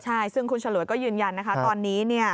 ใช่ซึ่งคุณฉลวยก็ยืนยันนะคะตอนนี้เนี่ย